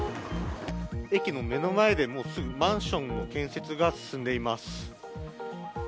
駅の目の前でマンションの建設が進んでいます。